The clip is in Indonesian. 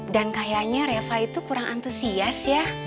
dan kayaknya reva itu kurang antusias ya